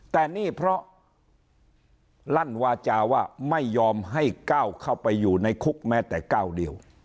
แต่นี่เพราะลั่นวาจาว่าไม่ยอมให้ก้าวเข้าไปอยู่ในคุกแม้แต่ก้าวเดียว